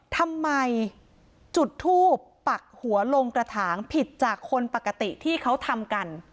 ทำไมจุดทูปปักหัวลงกระถางผิดจากคนปกติที่เขาทำกัน